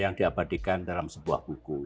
yang diabadikan dalam sebuah buku